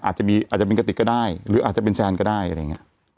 อาจจะมีอาจจะเป็นกติกก็ได้หรืออาจจะเป็นแซนก็ได้อะไรอย่างนี้